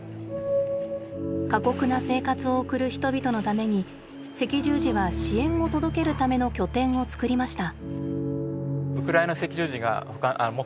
過酷な生活を送る人々のために赤十字は支援を届けるための拠点をつくりました。